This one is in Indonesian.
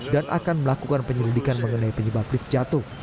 dan akan melakukan penyelidikan mengenai penyebab lift jatuh